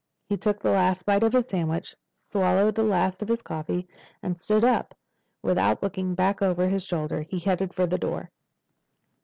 He took the last bite of his sandwich, swallowed the last of his coffee, and stood up. Without looking back over his shoulder he headed for the door.